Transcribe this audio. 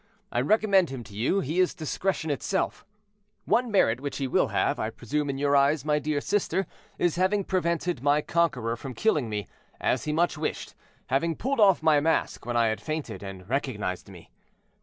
I recommend him to you; he is discretion itself. "One merit which he will have, I presume, in your eyes, my dear sister, is having prevented my conqueror from killing me, as he much wished, having pulled off my mask when I had fainted, and recognized me.